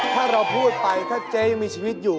ถ้าเราพูดไปถ้าเจ๊ยังมีชีวิตอยู่